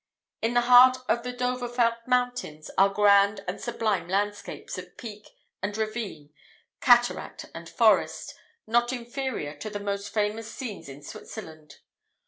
In the heart of the Dovrefeld Mountains are grand and sublime landscapes of peak and ravine, cataract and forest, not inferior to the most famous scenes in Switzerland.